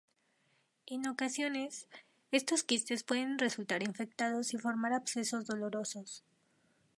En ocasiones, estos quistes pueden resultar infectados y formar abscesos dolorosos.